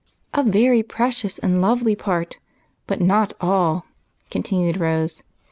"A very precious and lovely part, but not all," continued Rose.